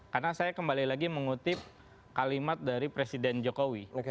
karena saya kembali lagi mengutip kalimat dari presiden jokowi